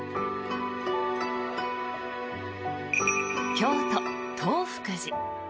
京都・東福寺。